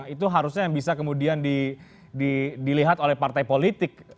itu harusnya yang bisa kemudian dilihat oleh partai politik